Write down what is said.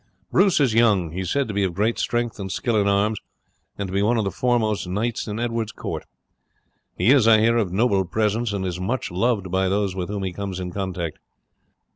Bruce is young; he is said to be of great strength and skill in arms, and to be one of the foremost knights in Edward's court. He is, I hear, of noble presence, and is much loved by those with whom he comes in contact.